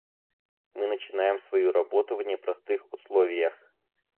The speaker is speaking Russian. Мы начинаем свою работу в непростых условиях.